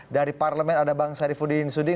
dari parlemen ada bang sarifudin suding